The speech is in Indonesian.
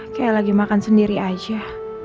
kayak lagi makan sendiri aja